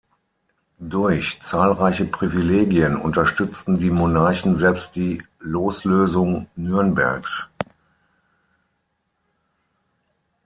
Durch zahlreiche Privilegien unterstützten die Monarchen selbst die Loslösung Nürnbergs.